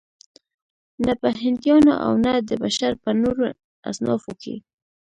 نه په هندیانو او نه د بشر په نورو اصنافو کې.